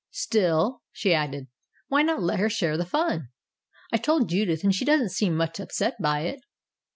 "Still," she added, "why not let her share the fun? I told Judith, and she doesn't seem much upset by it."